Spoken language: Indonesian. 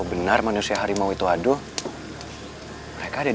buku yang sekar biasa bawa mana